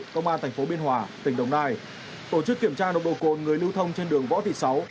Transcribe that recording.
công an tp biên hòa tỉnh đồng nai tổ chức kiểm tra nồng độ cồn người lưu thông trên đường võ thị sáu